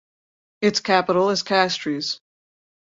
Its capital is Castries.